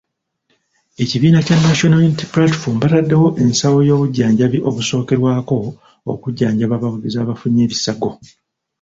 Ekibiina kya National Unity Platform bataddewo ensawo y'obujjanjabi obusookerwako, okujjanjaba abawagizi abafunye ebisago.